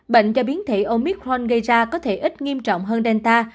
bệnh do biến thể omicron gây ra có thể ít nghiêm trọng hơn delta